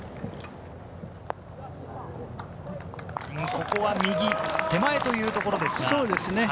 ここは右手前というところですが。